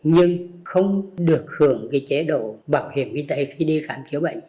nhưng không được hưởng chế độ bảo hiểm y tế khi đi khám chữa bệnh